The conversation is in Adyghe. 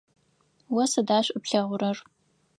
О сыда шӏу плъэгъурэр?